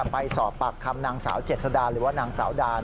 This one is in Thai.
ไปสอบปากคำนางสาวเจษดาหรือว่านางสาวดาน